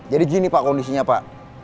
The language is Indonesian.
jadi gini pak kondisinya pak